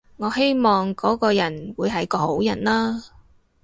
我希望嗰個人會係個好人啦